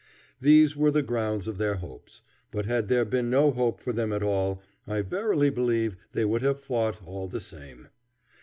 These were the grounds of their hopes; but had there been no hope for them at all, I verily believe they would have fought all the same.